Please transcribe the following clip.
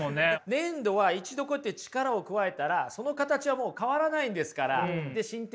粘土は一度こうやって力を加えたらその形はもう変わらないんですから。